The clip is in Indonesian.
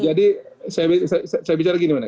jadi saya bicara begini bang